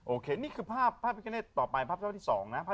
โอเคนี่คือภาพพิกเกณฑ์ต่อไปเยี่ยมที่สองนะ